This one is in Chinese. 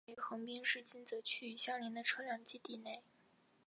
总部位于横滨市金泽区与相邻的车辆基地内。